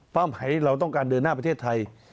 หายเราต้องการเดินหน้าประเทศไทย